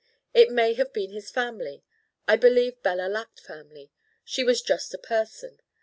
It may have been his family. I believe Bella lacked family: she was just a person.